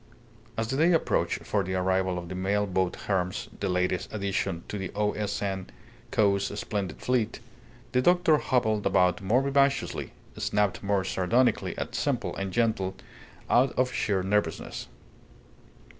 As the day approached for the arrival of the mail boat Hermes (the latest addition to the O. S. N. Co.'s splendid fleet), the doctor hobbled about more vivaciously, snapped more sardonically at simple and gentle out of sheer nervousness.